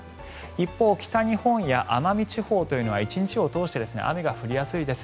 一方北日本や奄美地方というのは１日を通して雨が降りやすいです。